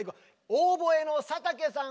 オーボエの佐竹さん